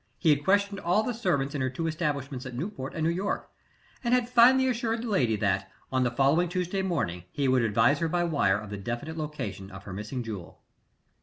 He had questioned all the servants in her two establishments at Newport and New York, and had finally assured the lady that, on the following Tuesday morning, he would advise her by wire of the definite location of her missing jewel.